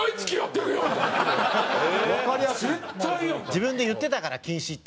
自分で言ってたから「禁止」って。